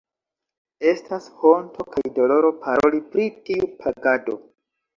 Estas honto kaj doloro paroli pri tiu pagado.